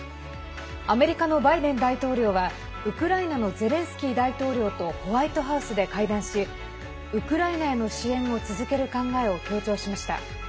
アメリカのバイデン大統領はウクライナのゼレンスキー大統領とホワイトハウスで会談しウクライナへの支援を続ける考えを強調しました。